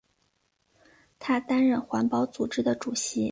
他担任环保组织的主席。